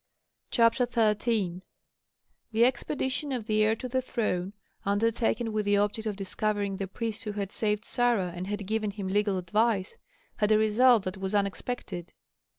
CHAPTER XIII The expedition of the heir to the throne, undertaken with the object of discovering the priest who had saved Sarah and had given him legal advice, had a result that was unexpected.